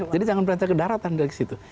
jadi jangan belanja ke daratan dari situ